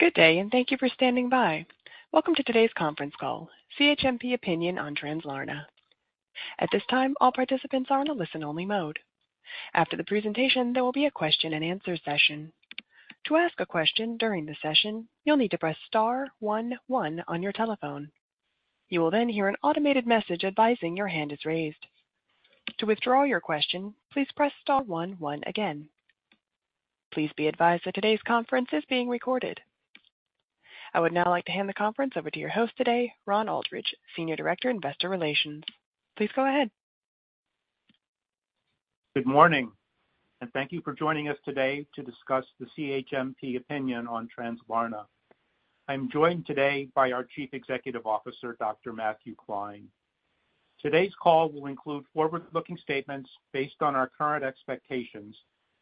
Good day, and thank you for standing by. Welcome to today's conference call, CHMP Opinion on Translarna. At this time, all participants are on a listen-only mode. After the presentation, there will be a question-and-answer session. To ask a question during the session, you'll need to press star one one on your telephone. You will then hear an automated message advising your hand is raised. To withdraw your question, please press star one one again. Please be advised that today's conference is being recorded. I would now like to hand the conference over to your host today, Ron Aldridge, Senior Director, Investor Relations. Please go ahead. Good morning, and thank you for joining us today to discuss the CHMP opinion on Translarna. I'm joined today by our Chief Executive Officer, Dr. Matthew Klein. Today's call will include forward-looking statements based on our current expectations,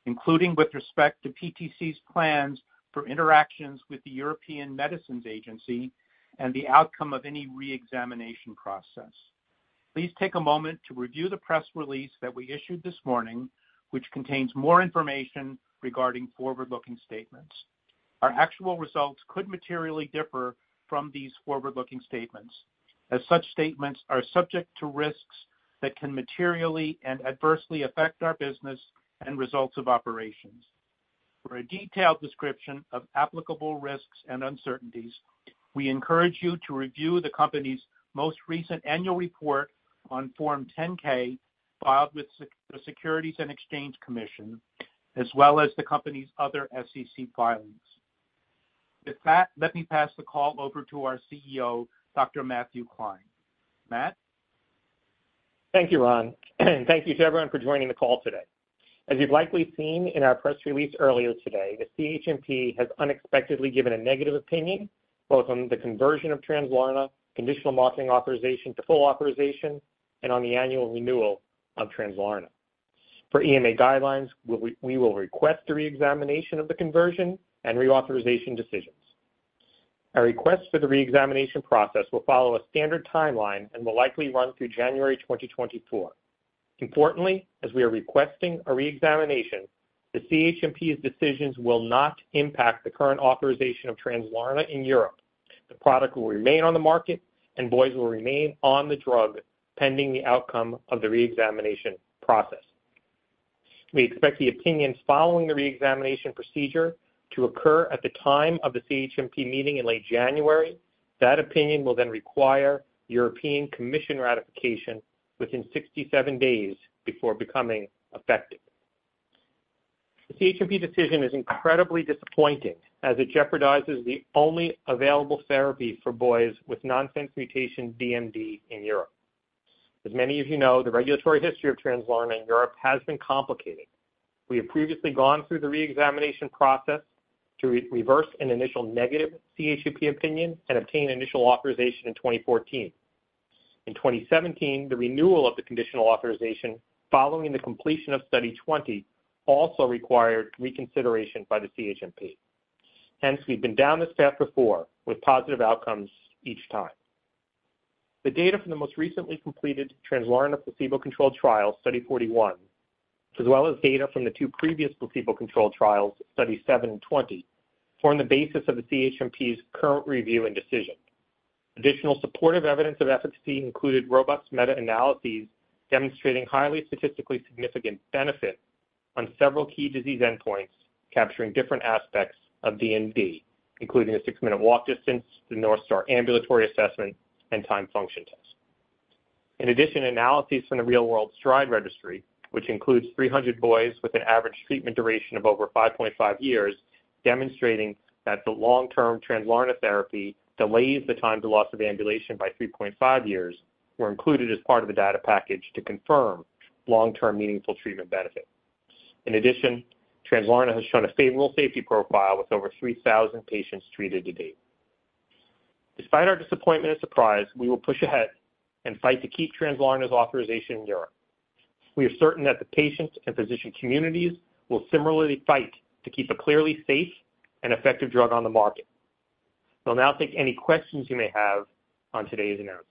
including with respect to PTC's plans for interactions with the European Medicines Agency and the outcome of any reexamination process. Please take a moment to review the press release that we issued this morning, which contains more information regarding forward-looking statements. Our actual results could materially differ from these forward-looking statements, as such statements are subject to risks that can materially and adversely affect our business and results of operations. For a detailed description of applicable risks and uncertainties, we encourage you to review the company's most recent annual report on Form 10-K, filed with the Securities and Exchange Commission, as well as the company's other SEC filings. With that, let me pass the call over to our CEO, Dr. Matthew Klein. Matt? Thank you, Ron, and thank you to everyone for joining the call today. As you've likely seen in our press release earlier today, the CHMP has unexpectedly given a negative opinion, both on the conversion of Translarna, conditional marketing authorization to full authorization, and on the annual renewal of Translarna. Per EMA guidelines, we will request a reexamination of the conversion and reauthorization decisions. Our request for the reexamination process will follow a standard timeline and will likely run through January 2024. Importantly, as we are requesting a reexamination, the CHMP's decisions will not impact the current authorization of Translarna in Europe. The product will remain on the market, and boys will remain on the drug, pending the outcome of the reexamination process. We expect the opinions following the reexamination procedure to occur at the time of the CHMP meeting in late January. That opinion will then require European Commission ratification within 67 days before becoming effective. The CHMP decision is incredibly disappointing, as it jeopardizes the only available therapy for boys with nonsense mutation DMD in Europe. As many of you know, the regulatory history of Translarna in Europe has been complicated. We have previously gone through the reexamination process to re-reverse an initial negative CHMP opinion and obtain initial authorization in 2014. In 2017, the renewal of the conditional authorization following the completion of Study 020 also required reconsideration by the CHMP. Hence, we've been down this path before with positive outcomes each time. The data from the most recently completed Translarna placebo-controlled trial, Study 041, as well as data from the two previous placebo-controlled trials, Studies 007 and 020, form the basis of the CHMP's current review and decision. Additional supportive evidence of efficacy included robust meta-analyses demonstrating highly statistically significant benefit on several key disease endpoints, capturing different aspects of DMD, including the Six-Minute Walk Distance, the North Star Ambulatory Assessment, and timed function test. In addition, analyses from the real-world STRIDE Registry, which includes 300 boys with an average treatment duration of over 5.5 years, demonstrating that the long-term Translarna therapy delays the time to loss of ambulation by 3.5 years, were included as part of the data package to confirm long-term meaningful treatment benefit. In addition, Translarna has shown a favorable safety profile with over 3,000 patients treated to date. Despite our disappointment and surprise, we will push ahead and fight to keep Translarna's authorization in Europe. We are certain that the patients and physician communities will similarly fight to keep a clearly safe and effective drug on the market. We'll now take any questions you may have on today's announcement.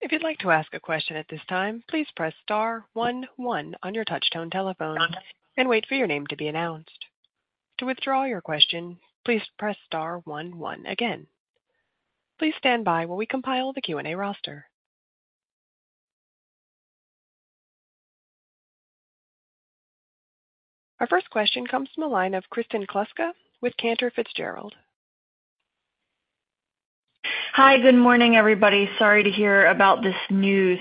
If you'd like to ask a question at this time, please press star one one on your touchtone telephone and wait for your name to be announced. To withdraw your question, please press star one one again. Please stand by while we compile the Q&A roster. Our first question comes from the line of Kristen Kluska with Cantor Fitzgerald. Hi, good morning, everybody. Sorry to hear about this news.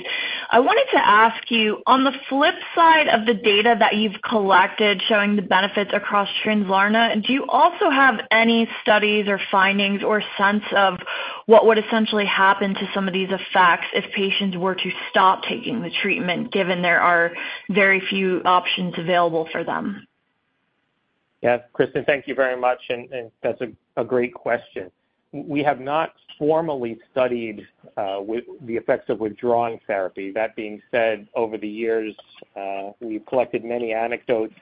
I wanted to ask you, on the flip side of the data that you've collected showing the benefits across Translarna, do you also have any studies or findings or sense of what would essentially happen to some of these effects if patients were to stop taking the treatment, given there are very few options available for them? Yeah, Kristin, thank you very much, and that's a great question. We have not formally studied the effects of withdrawing therapy. That being said, over the years, we've collected many anecdotes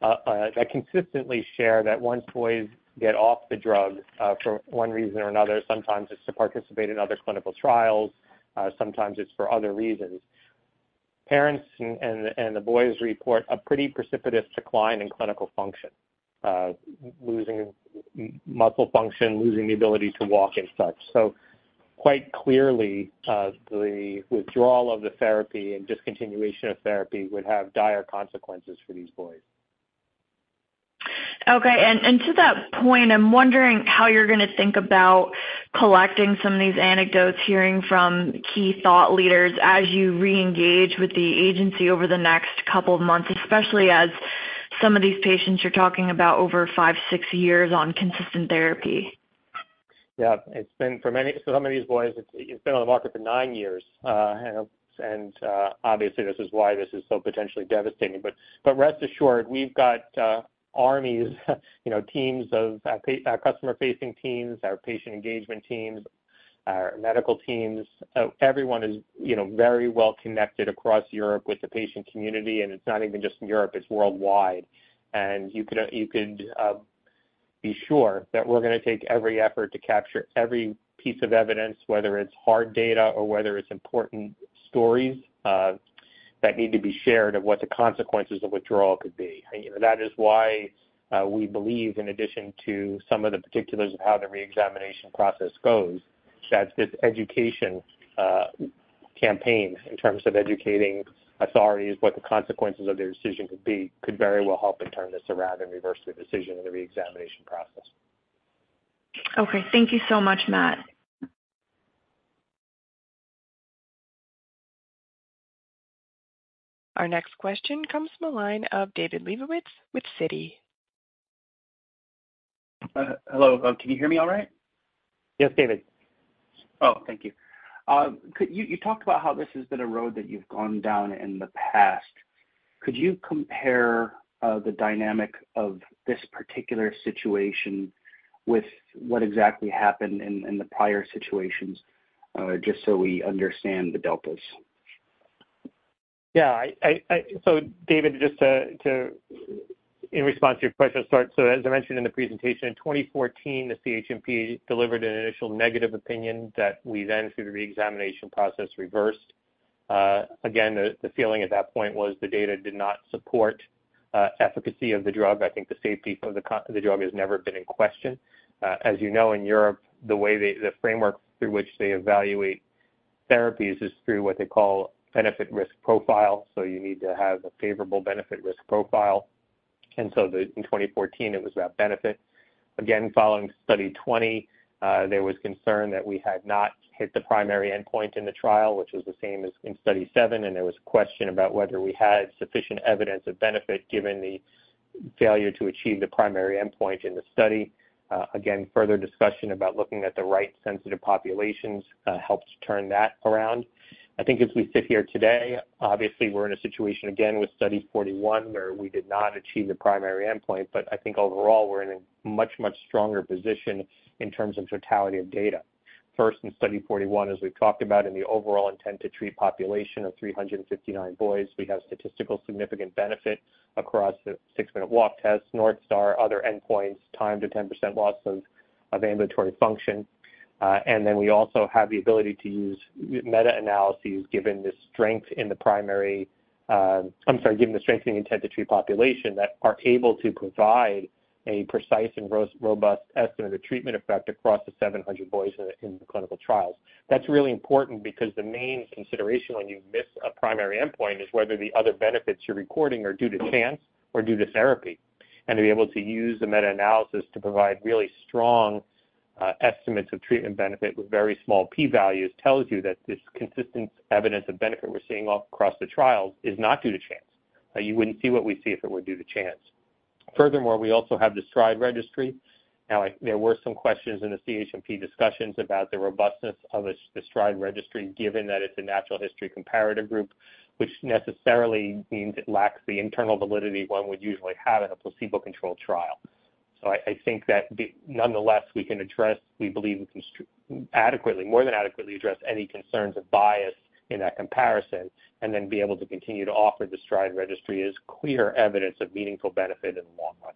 that consistently share that once boys get off the drug, for one reason or another, sometimes it's to participate in other clinical trials, sometimes it's for other reasons... parents and the boys report a pretty precipitous decline in clinical function, losing muscle function, losing the ability to walk and such. So quite clearly, the withdrawal of the therapy and discontinuation of therapy would have dire consequences for these boys. Okay. And to that point, I'm wondering how you're gonna think about collecting some of these anecdotes, hearing from key thought leaders as you reengage with the agency over the next couple of months, especially as some of these patients you're talking about over 5-6 years on consistent therapy? Yeah, it's been for some of these boys, it's been on the market for nine years. And obviously, this is why this is so potentially devastating. But rest assured, we've got armies, you know, teams of customer-facing teams, our patient engagement teams, our medical teams. Everyone is, you know, very well connected across Europe with the patient community, and it's not even just in Europe, it's worldwide. And you could be sure that we're gonna take every effort to capture every piece of evidence, whether it's hard data or whether it's important stories that need to be shared, of what the consequences of withdrawal could be. That is why we believe, in addition to some of the particulars of how the reexamination process goes, that this education campaign, in terms of educating authorities what the consequences of their decision could be, could very well help in turn this around and reverse the decision in the reexamination process. Okay. Thank you so much, Matt. Our next question comes from the line of David Lebowitz with Citi. Hello, can you hear me all right? Yes, David. Oh, thank you. Could you, you talked about how this has been a road that you've gone down in the past. Could you compare the dynamic of this particular situation with what exactly happened in the prior situations, just so we understand the deltas? Yeah, so David, just to in response to your question, start. So as I mentioned in the presentation, in 2014, the CHMP delivered an initial negative opinion that we then, through the reexamination process, reversed. Again, the feeling at that point was the data did not support efficacy of the drug. I think the safety of the drug has never been in question. As you know, in Europe, the framework through which they evaluate therapies is through what they call benefit risk profile, so you need to have a favorable benefit risk profile. So in 2014, it was about benefit. Again, following Study 020, there was concern that we had not hit the primary endpoint in the trial, which was the same as in Study 007, and there was a question about whether we had sufficient evidence of benefit, given the failure to achieve the primary endpoint in the study. Again, further discussion about looking at the right sensitive populations, helped to turn that around. I think as we sit here today, obviously, we're in a situation, again, with Study 041, where we did not achieve the primary endpoint, but I think overall, we're in a much, much stronger position in terms of totality of data. First, in Study 041, as we've talked about in the overall intent-to-treat population of 359 boys, we have statistically significant benefit across the six-minute walk test, North Star, other endpoints, time to 10% loss of ambulatory function. And then we also have the ability to use meta-analysis, given the strength in the intent-to-treat population, that are able to provide a precise and robust estimate of treatment effect across the 700 boys in the clinical trials. That's really important because the main consideration when you miss a primary endpoint is whether the other benefits you're recording are due to chance or due to therapy. And to be able to use the meta-analysis to provide really strong estimates of treatment benefit with very small P values, tells you that this consistent evidence of benefit we're seeing across the trials is not due to chance. You wouldn't see what we see if it were due to chance. Furthermore, we also have the STRIDE Registry. Now, there were some questions in the CHMP discussions about the robustness of the STRIDE Registry, given that it's a natural history comparative group, which necessarily means it lacks the internal validity one would usually have in a placebo-controlled trial. So I think that nonetheless, we can address, we believe we can adequately, more than adequately address any concerns of bias in that comparison, and then be able to continue to offer the STRIDE Registry as clear evidence of meaningful benefit in the long run.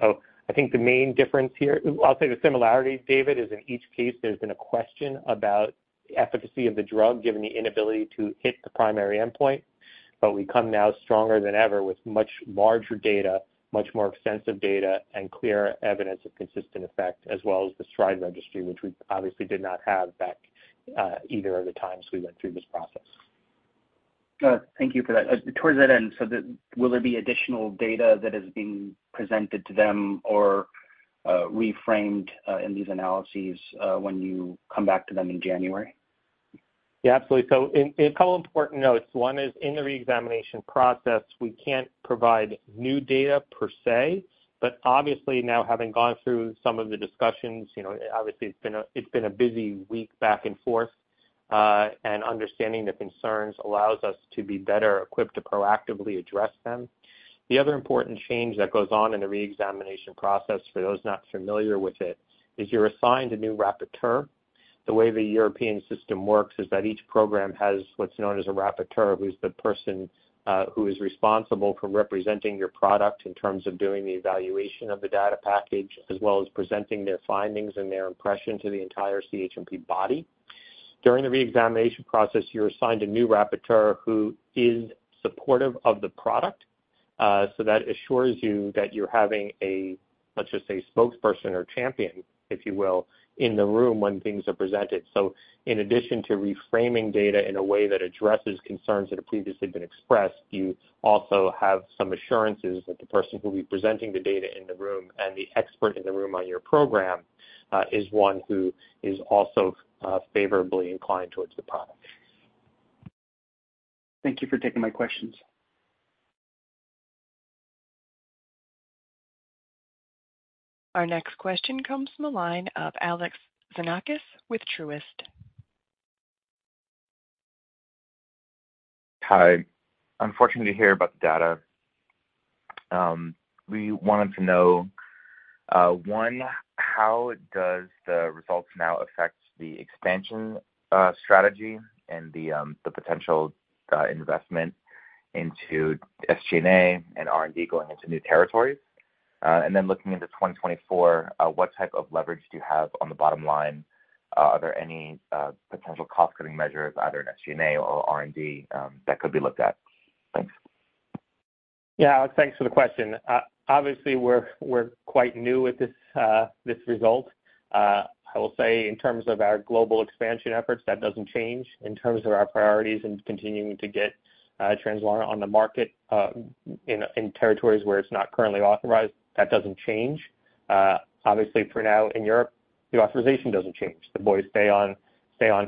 So I think the main difference here, I'll say the similarities, David, is in each case, there's been a question about the efficacy of the drug, given the inability to hit the primary endpoint. But we come now stronger than ever, with much larger data, much more extensive data, and clear evidence of consistent effect, as well as the STRIDE Registry, which we obviously did not have back, either of the times we went through this process. Thank you for that. Toward that end, so, will there be additional data that is being presented to them or reframed in these analyses when you come back to them in January? Yeah, absolutely. So in a couple important notes, one is in the reexamination process, we can't provide new data per se, but obviously, now having gone through some of the discussions, you know, obviously, it's been a busy week back and forth, and understanding the concerns allows us to be better equipped to proactively address them. The other important change that goes on in the reexamination process, for those not familiar with it, is you're assigned a new rapporteur. The way the European system works is that each program has what's known as a rapporteur, who's the person who is responsible for representing your product in terms of doing the evaluation of the data package, as well as presenting their findings and their impression to the entire CHMP body. During the reexamination process, you're assigned a new Rapporteur who is supportive of the product, so that assures you that you're having a, let's just say, spokesperson or champion, if you will, in the room when things are presented. So in addition to reframing data in a way that addresses concerns that have previously been expressed, you also have some assurances that the person who will be presenting the data in the room and the expert in the room on your program is one who is also favorably inclined towards the product. Thank you for taking my questions. Our next question comes from the line of Alex Xenakis with Truist. Hi. Unfortunately, to hear about the data. We wanted to know, one, how does the results now affect the expansion strategy and the potential investment into SG&A and R&D going into new territories? And then looking into 2024, what type of leverage do you have on the bottom line? Are there any potential cost-cutting measures, either in SG&A or R&D, that could be looked at? Thanks. Yeah, Alex, thanks for the question. Obviously, we're quite new with this result. I will say in terms of our global expansion efforts, that doesn't change. In terms of our priorities and continuing to get Translarna on the market in territories where it's not currently authorized, that doesn't change. Obviously, for now, in Europe, the authorization doesn't change. The boys stay on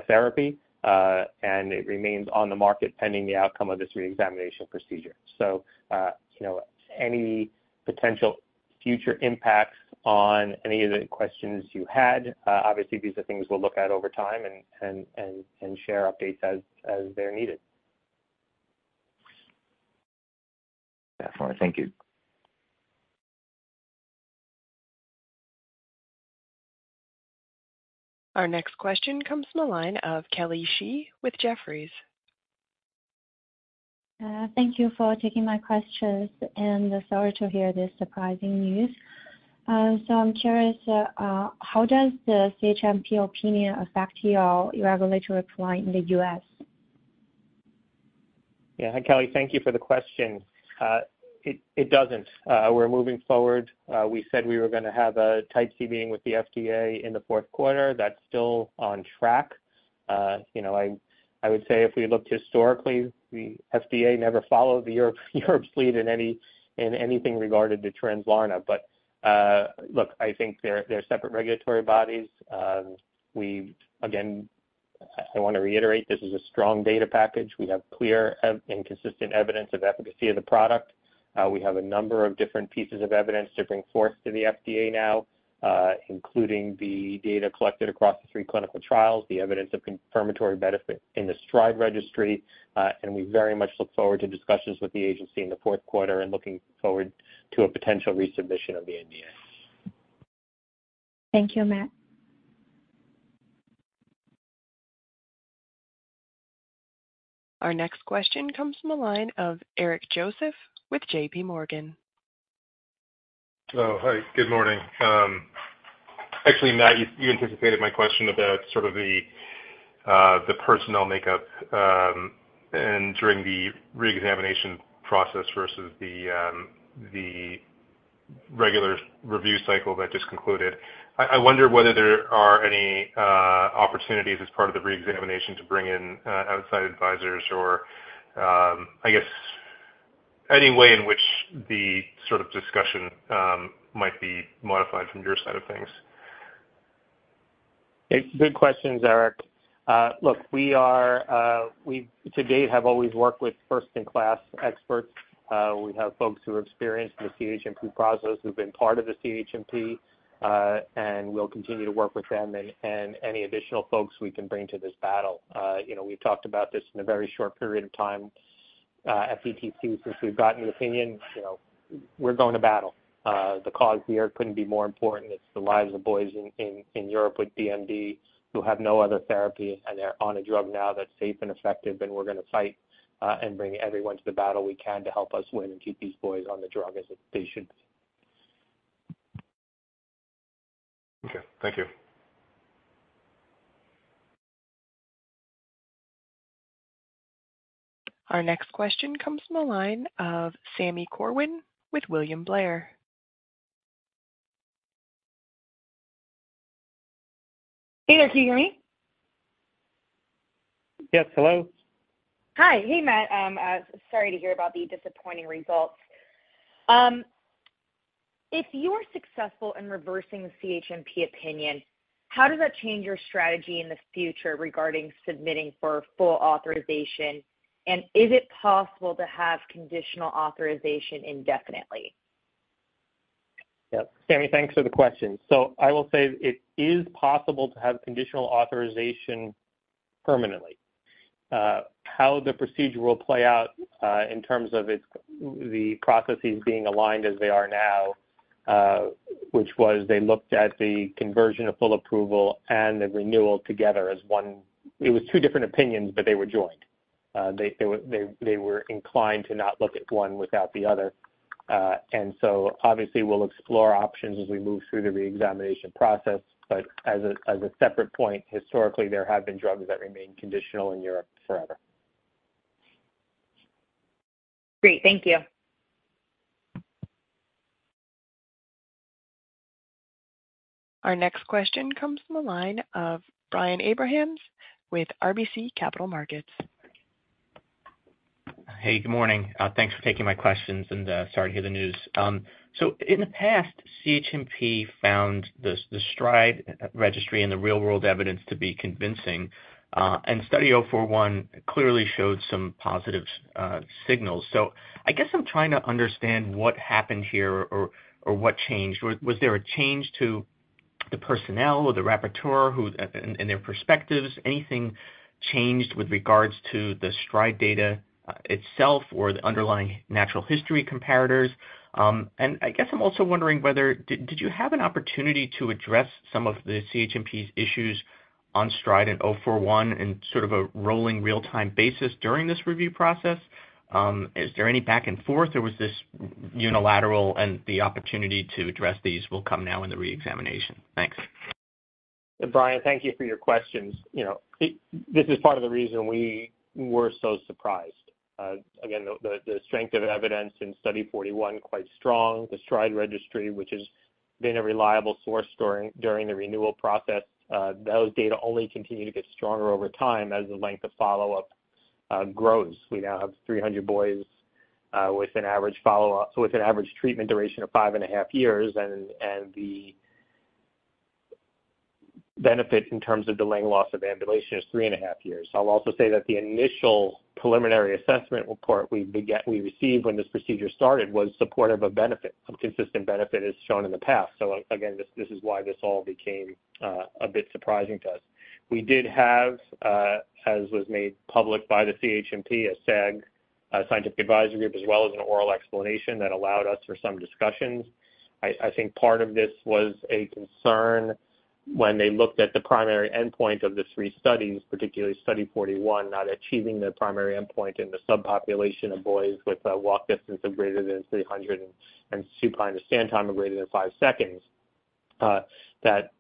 therapy, and it remains on the market pending the outcome of this reexamination procedure. So, you know, any potential future impacts on any of the questions you had, obviously, these are things we'll look at over time and share updates as they're needed. Definitely. Thank you. Our next question comes from the line of Kelly Shi with Jefferies. Thank you for taking my questions, and sorry to hear this surprising news. I'm curious, how does the CHMP opinion affect your regulatory plan in the U.S.? Yeah. Hi, Kelly. Thank you for the question. It doesn't. We're moving forward. We said we were gonna have a Type C meeting with the FDA in the fourth quarter. That's still on track. You know, I would say if we looked historically, the FDA never followed Europe's lead in anything regarded to Translarna. But, look, I think they're separate regulatory bodies. We again, I want to reiterate, this is a strong data package. We have clear and consistent evidence of efficacy of the product. We have a number of different pieces of evidence to bring forth to the FDA now, including the data collected across the three clinical trials, the evidence of confirmatory benefit in the STRIDE Registry, and we very much look forward to discussions with the agency in the fourth quarter and looking forward to a potential resubmission of the NDA. Thank you, Matt. Our next question comes from the line of Eric Joseph with JP Morgan. So, hi, good morning. Actually, Matt, you anticipated my question about sort of the personnel makeup and during the reexamination process versus the regular review cycle that just concluded. I wonder whether there are any opportunities as part of the reexamination to bring in outside advisors or, I guess, any way in which the sort of discussion might be modified from your side of things. It's good questions, Eric. Look, we are, we to date have always worked with first-in-class experts. We have folks who are experienced in the CHMP process, who've been part of the CHMP, and we'll continue to work with them and any additional folks we can bring to this battle. You know, we've talked about this in a very short period of time, at PTC, since we've gotten the opinion, you know, we're going to battle. The cause here couldn't be more important. It's the lives of boys in Europe with DMD who have no other therapy, and they're on a drug now that's safe and effective, and we're gonna fight and bring everyone to the battle we can to help us win and keep these boys on the drug as patients. Okay. Thank you. Our next question comes from the line of Sami Corwin with William Blair. Hey, there. Can you hear me? Yes, hello. Hi. Hey, Matt. Sorry to hear about the disappointing results. If you are successful in reversing the CHMP opinion, how does that change your strategy in the future regarding submitting for full authorization? And is it possible to have conditional authorization indefinitely? Yep. Sammy, thanks for the question. So I will say it is possible to have conditional authorization permanently. How the procedure will play out, in terms of its, the processes being aligned as they are now, which was they looked at the conversion of full approval and the renewal together as one. It was two different opinions, but they were joined. They were inclined to not look at one without the other. And so obviously, we'll explore options as we move through the re-examination process. But as a separate point, historically, there have been drugs that remain conditional in Europe forever. Great, thank you. Our next question comes from the line of Brian Abrahams with RBC Capital Markets. Hey, good morning. Thanks for taking my questions, and sorry to hear the news. So in the past, CHMP found the STRIDE registry and the real-world evidence to be convincing, and Study 041 clearly showed some positive signals. So I guess I'm trying to understand what happened here or what changed. Was there a change to the personnel or the rapporteur who, and their perspectives? Anything changed with regards to the STRIDE data itself, or the underlying natural history comparators? And I guess I'm also wondering whether did you have an opportunity to address some of the CHMP's issues on STRIDE and 041 in sort of a rolling real-time basis during this review process? Is there any back and forth, or was this unilateral and the opportunity to address these will come now in the re-examination? Thanks. Brian, thank you for your questions. You know, it, this is part of the reason we were so surprised. Again, the strength of evidence in Study 041, quite strong. The STRIDE Registry, which has been a reliable source during the renewal process, those data only continue to get stronger over time as the length of follow-up grows. We now have 300 boys with an average treatment duration of 5.5 years, and the benefit in terms of delaying loss of ambulation is 3.5 years. I'll also say that the initial preliminary assessment report we received when this procedure started, was supportive of benefit, of consistent benefit as shown in the past. So again, this is why this all became a bit surprising to us. We did have, as was made public by the CHMP, a SAG, a scientific advisory group, as well as an oral explanation that allowed us for some discussions. I, I think part of this was a concern when they looked at the primary endpoint of the three studies, particularly study 41, not achieving the primary endpoint in the subpopulation of boys with a walk distance of greater than 300 and supine-to-stand time of greater than 5 seconds, that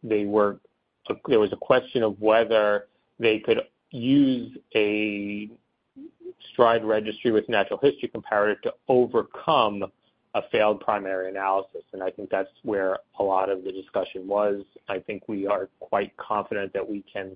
there was a question of whether they could use a STRIDE registry with natural history comparator to overcome a failed primary analysis, and I think that's where a lot of the discussion was. I think we are quite confident that we can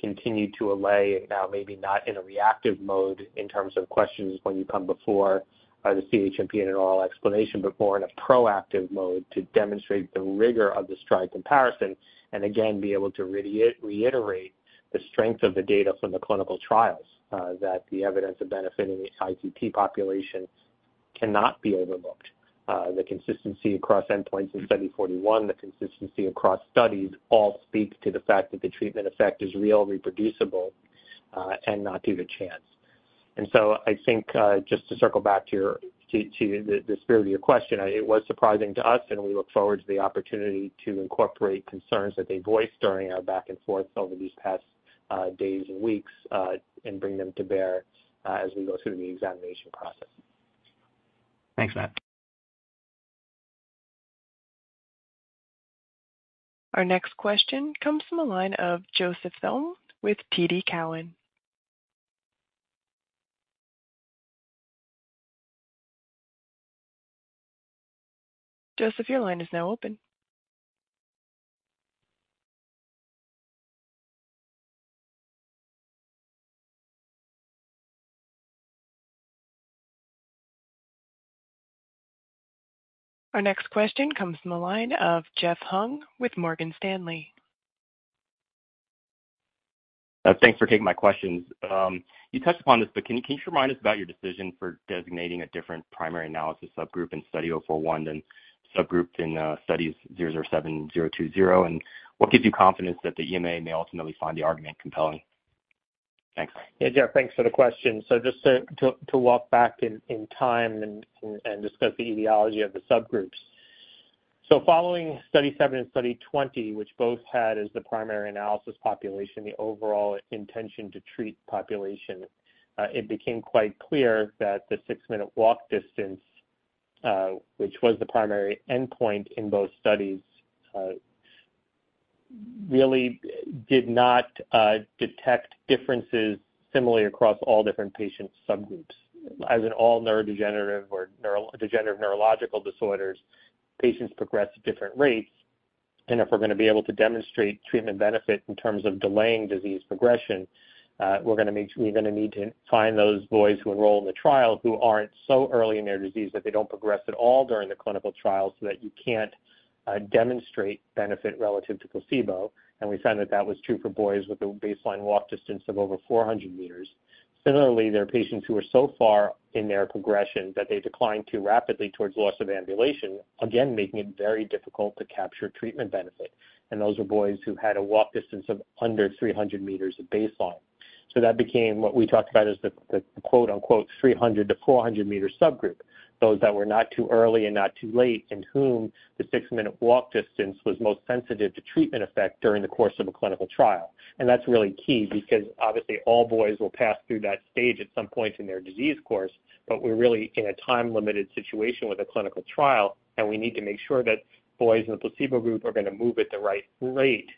continue to allay, now maybe not in a reactive mode, in terms of questions when you come before the CHMP in an oral explanation, but more in a proactive mode to demonstrate the rigor of the STRIDE comparison, and again, be able to reiterate the strength of the data from the clinical trials, that the evidence of benefiting the ITT population cannot be overlooked. The consistency across endpoints in Study 041, the consistency across studies, all speak to the fact that the treatment effect is real, reproducible, and not due to chance. So I think, just to circle back to the spirit of your question, it was surprising to us, and we look forward to the opportunity to incorporate concerns that they voiced during our back and forth over these past days and weeks, and bring them to bear, as we go through the examination process. Thanks, Matt. Our next question comes from the line of Joseph Thielen with TD Cowen. Joseph, your line is now open. Our next question comes from the line of Jeff Hung with Morgan Stanley. Thanks for taking my questions. You touched upon this, but can you remind us about your decision for designating a different primary analysis subgroup in Study 041 than subgroups in studies 007, 020? And what gives you confidence that the EMA may ultimately find the argument compelling? Thanks. Hey, Jeff, thanks for the question. So just to walk back in time and discuss the etiology of the subgroups. So following Study 7 and Study 20, which both had as the primary analysis population, the overall intent-to-treat population, it became quite clear that the Six-Minute Walk Distance, which was the primary endpoint in both studies, really did not detect differences similarly across all different patient subgroups. As in all neurodegenerative or neurodegenerative neurological disorders, patients progress at different rates, and if we're going to be able to demonstrate treatment benefit in terms of delaying disease progression, we're gonna need, we're gonna need to find those boys who enroll in the trial who aren't so early in their disease that they don't progress at all during the clinical trial, so that you can't demonstrate benefit relative to placebo. And we found that that was true for boys with a baseline walk distance of over 400 meters. Similarly, there are patients who are so far in their progression that they decline too rapidly towards loss of ambulation, again, making it very difficult to capture treatment benefit. And those are boys who had a walk distance of under 300 meters at baseline. So that became what we talked about as the quote-unquote 300-400 meter subgroup, those that were not too early and not too late, in whom the 6-minute walk distance was most sensitive to treatment effect during the course of a clinical trial. That's really key because obviously all boys will pass through that stage at some point in their disease course, but we're really in a time-limited situation with a clinical trial, and we need to make sure that boys in the placebo group are going to move at the right rate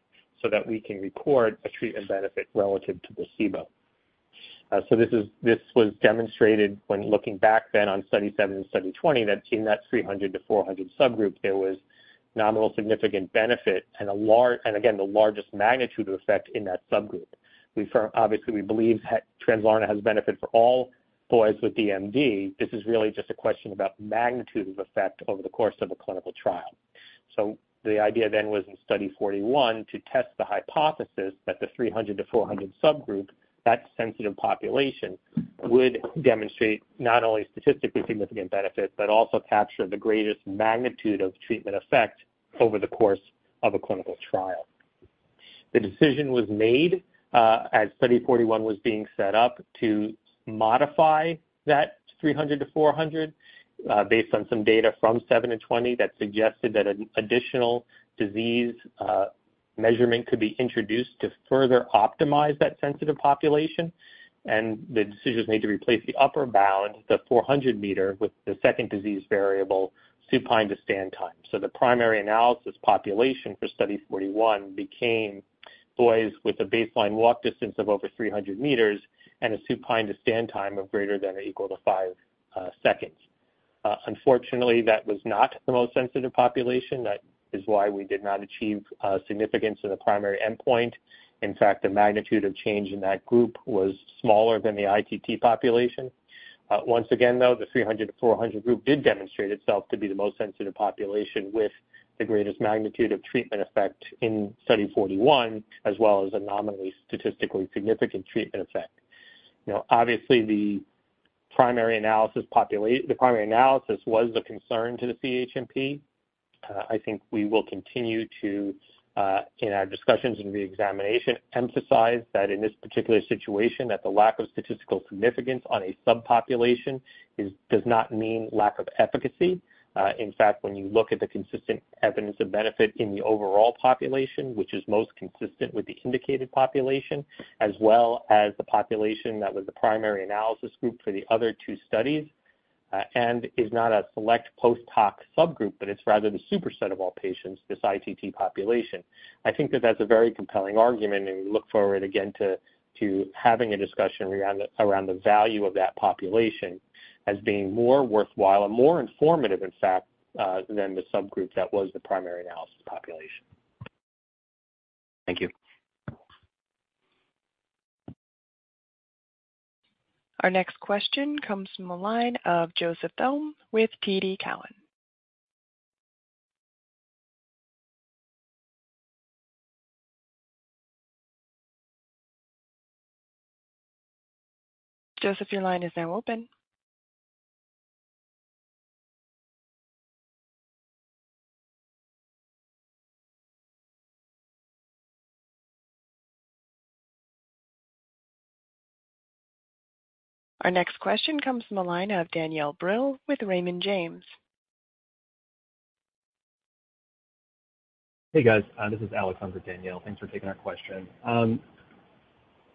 so that we can record a treatment benefit relative to placebo. So this is, this was demonstrated when looking back then on Study 7 and Study 20, that in that 300-400 subgroup, there was nominal significant benefit and a large, and again, the largest magnitude of effect in that subgroup. We obviously believe that Translarna has benefit for all boys with DMD. This is really just a question about magnitude of effect over the course of a clinical trial. So the idea then was in Study 41, to test the hypothesis that the 300-400 subgroup, that sensitive population, would demonstrate not only statistically significant benefit, but also capture the greatest magnitude of treatment effect over the course of a clinical trial. The decision was made as Study 041 was being set up to modify that 300-400, based on some data from 007 and 020, that suggested that an additional disease measurement could be introduced to further optimize that sensitive population. The decision was made to replace the upper bound, the 400-meter, with the second disease variable, supine-to-stand time. So the primary analysis population for Study 041 became boys with a baseline walk distance of over 300 meters and a supine-to-stand time of greater than or equal to 5 seconds. Unfortunately, that was not the most sensitive population. That is why we did not achieve significance in the primary endpoint. In fact, the magnitude of change in that group was smaller than the ITT population. Once again, though, the 300-400 group did demonstrate itself to be the most sensitive population with the greatest magnitude of treatment effect in Study 041, as well as a nominally statistically significant treatment effect. You know, obviously, the primary analysis population was a concern to the CHMP. I think we will continue to, in our discussions and reexamination, emphasize that in this particular situation, that the lack of statistical significance on a subpopulation is, does not mean lack of efficacy. In fact, when you look at the consistent evidence of benefit in the overall population, which is most consistent with the indicated population, as well as the population that was the primary analysis group for the other two studies, and is not a select post-hoc subgroup, but it's rather the superset of all patients, this ITT population. I think that that's a very compelling argument, and we look forward again to having a discussion around the value of that population as being more worthwhile and more informative, in fact, than the subgroup that was the primary analysis population. Thank you. Our next question comes from the line of Joseph Dome with TD Cowen. Joseph, your line is now open. Our next question comes from the line of Danielle Brill with Raymond James. Hey, guys, this is Alex in for Danielle. Thanks for taking our question.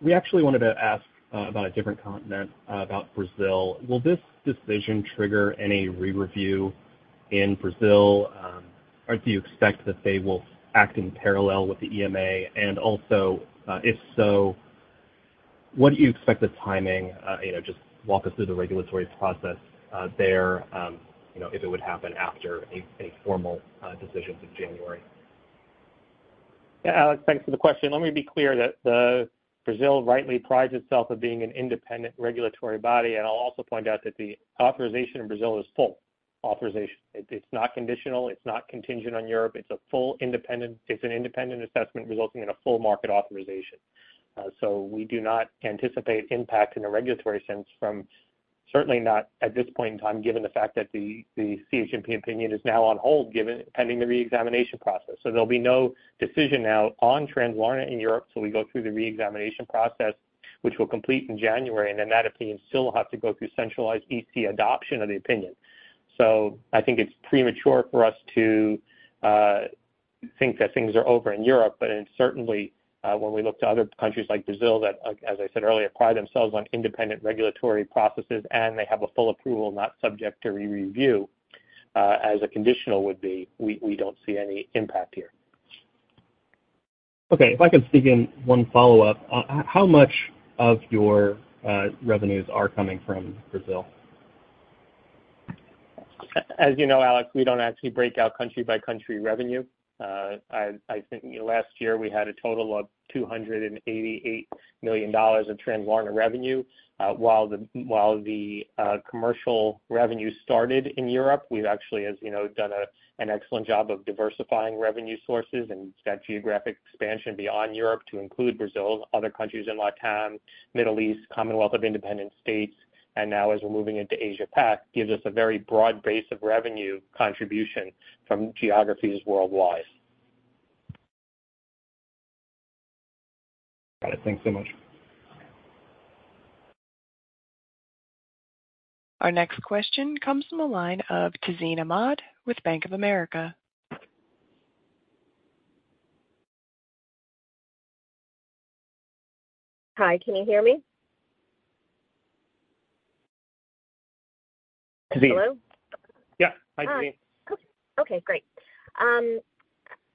We actually wanted to ask about a different continent, about Brazil. Will this decision trigger any re-review in Brazil? Or do you expect that they will act in parallel with the EMA? And also, if so, what do you expect the timing? You know, just walk us through the regulatory process there, you know, if it would happen after a formal decision in January. Yeah, Alex, thanks for the question. Let me be clear that the Brazil rightly prides itself of being an independent regulatory body, and I'll also point out that the authorization in Brazil is full authorization. It, it's not conditional, it's not contingent on Europe. It's a full independent... It's an independent assessment resulting in a full market authorization. So we do not anticipate impact in a regulatory sense from certainly not at this point in time, given the fact that the CHMP opinion is now on hold, given, pending the reexamination process. So there'll be no decision now on Translarna in Europe, till we go through the reexamination process, which will complete in January, and then that opinion still have to go through centralized EC adoption of the opinion. So I think it's premature for us to think that things are over in Europe, but it's certainly, when we look to other countries like Brazil, that, as I said earlier, pride themselves on independent regulatory processes, and they have a full approval, not subject to re-review, as a conditional would be, we don't see any impact here. Okay. If I can sneak in one follow-up. How much of your revenues are coming from Brazil? As you know, Alex, we don't actually break out country-by-country revenue. I think last year we had a total of $288 million of Translarna revenue. While the commercial revenue started in Europe, we've actually, as you know, done an excellent job of diversifying revenue sources and that geographic expansion beyond Europe to include Brazil, other countries in LATAM, Middle East, Commonwealth of Independent States, and now as we're moving into Asia Pac, gives us a very broad base of revenue contribution from geographies worldwide. Got it. Thanks so much. Our next question comes from the line of Tazeen Ahmad with Bank of America. Hi, can you hear me? Tazeen. Hello? Yeah. Hi, Tazeen. Okay, great.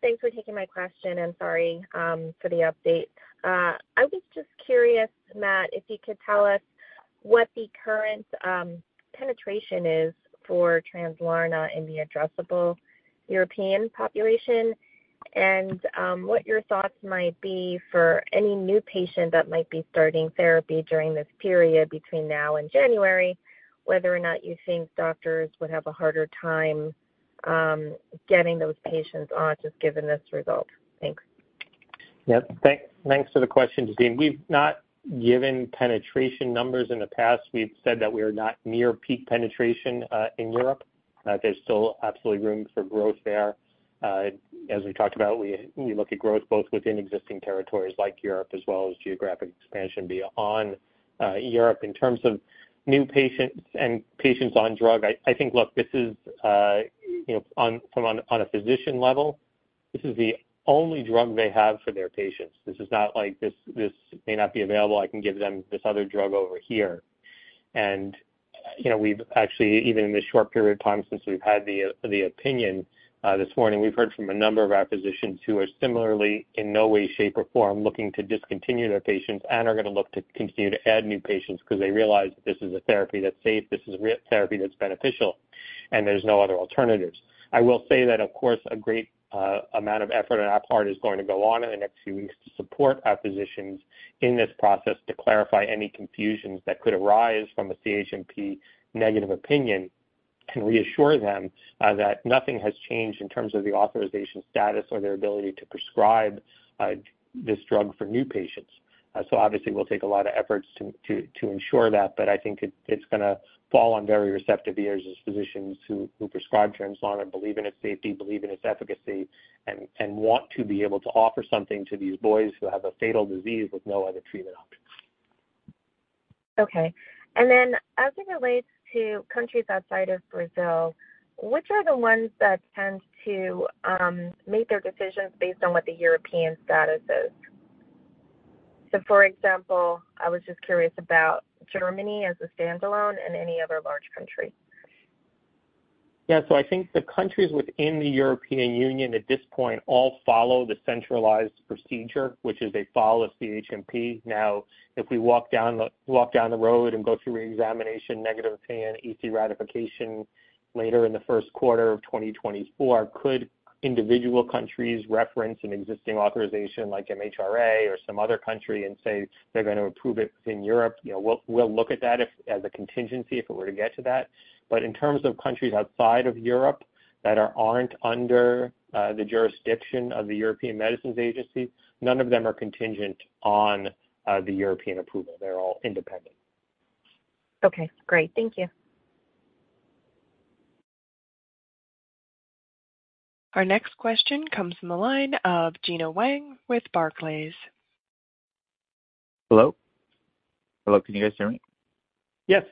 Thanks for taking my question, and sorry for the update. I was just curious, Matt, if you could tell us what the current penetration is for Translarna in the addressable European population and what your thoughts might be for any new patient that might be starting therapy during this period between now and January, whether or not you think doctors would have a harder time getting those patients on, just given this result? Thanks. Yep. Thanks, thanks for the question, Tazeen. We've not given penetration numbers in the past. We've said that we are not near peak penetration in Europe. There's still absolutely room for growth there. As we talked about, we look at growth both within existing territories like Europe as well as geographic expansion beyond Europe. In terms of new patients and patients on drug, I think, look, this is, you know, on a physician level, this is the only drug they have for their patients. This is not like this, this may not be available, I can give them this other drug over here. You know, we've actually, even in this short period of time since we've had the opinion this morning, we've heard from a number of our physicians who are similarly in no way, shape, or form, looking to discontinue their patients and are gonna look to continue to add new patients because they realize that this is a therapy that's safe, this is a therapy that's beneficial, and there's no other alternatives. I will say that, of course, a great amount of effort on our part is going to go on in the next few weeks to support our physicians in this process to clarify any confusions that could arise from a CHMP negative opinion and reassure them that nothing has changed in terms of the authorization status or their ability to prescribe this drug for new patients. So obviously we'll take a lot of efforts to ensure that, but I think it's gonna fall on very receptive ears as physicians who prescribe Translarna believe in its safety, believe in its efficacy, and want to be able to offer something to these boys who have a fatal disease with no other treatment options. Okay. And then as it relates to countries outside of Brazil, which are the ones that tend to, make their decisions based on what the European status is? So for example, I was just curious about Germany as a standalone and any other large countries. Yeah, so I think the countries within the European Union at this point all follow the centralized procedure, which is they follow CHMP. Now, if we walk down the road and go through reexamination, negative opinion, EC ratification later in the first quarter of 2024, could individual countries reference an existing authorization like MHRA or some other country and say they're gonna approve it in Europe? You know, we'll look at that as a contingency, if it were to get to that. But in terms of countries outside of Europe that aren't under the jurisdiction of the European Medicines Agency, none of them are contingent on the European approval. They're all independent. Okay, great. Thank you. Our next question comes from the line of Gena Wang with Barclays. Hello? Hello, can you guys hear me? Yes.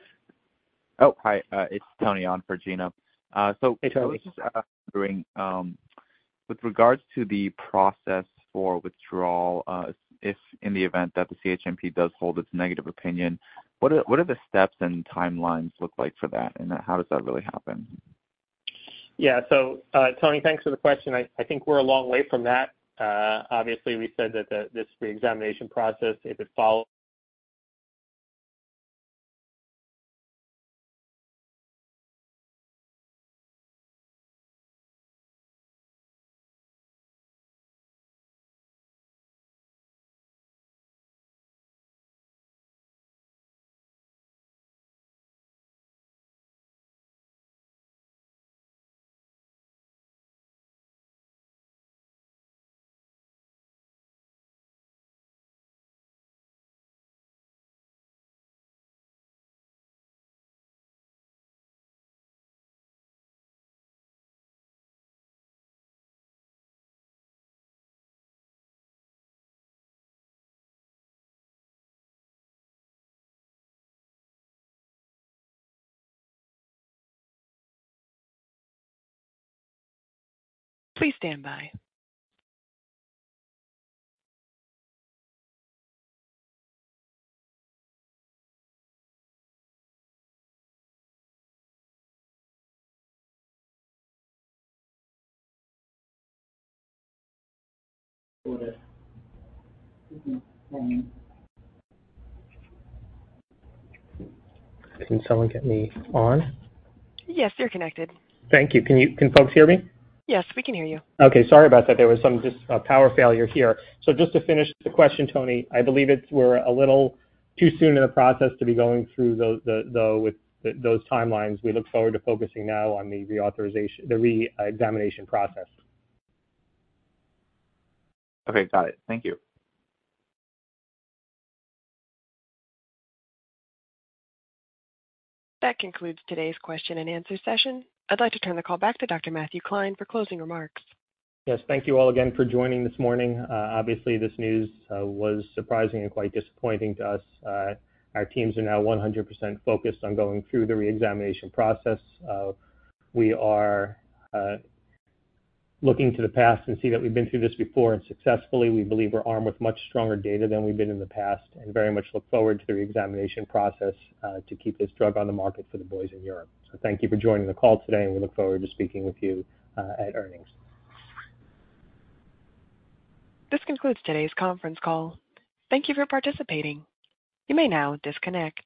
Oh, hi, it's Tony on for Gina. So- Hey, Tony. Just wondering with regards to the process for withdrawal, if in the event that the CHMP does hold its negative opinion, what are the steps and timelines look like for that, and how does that really happen? Yeah. So, Tony, thanks for the question. I think we're a long way from that. Obviously, we said that this reexamination process, if it follows... Please stand by. Can someone get me on? Yes, you're connected. Thank you. Can folks hear me? Yes, we can hear you. Okay, sorry about that. There was some just power failure here. So just to finish the question, Tony, I believe it's we're a little too soon in the process to be going through those timelines. We look forward to focusing now on the reauthorization, the re-examination process. Okay. Got it. Thank you. That concludes today's question and answer session. I'd like to turn the call back to Dr. Matthew Klein for closing remarks. Yes, thank you all again for joining this morning. Obviously, this news was surprising and quite disappointing to us. Our teams are now 100% focused on going through the reexamination process. We are looking to the past and see that we've been through this before and successfully. We believe we're armed with much stronger data than we've been in the past and very much look forward to the reexamination process to keep this drug on the market for the boys in Europe. So thank you for joining the call today, and we look forward to speaking with you at earnings. This concludes today's conference call. Thank you for participating. You may now disconnect.